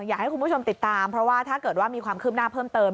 อยากให้คุณผู้ชมติดตามเพราะว่าถ้าเกิดว่ามีความคืบหน้าเพิ่มเติม